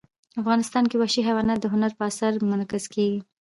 افغانستان کې وحشي حیوانات د هنر په اثار کې منعکس کېږي.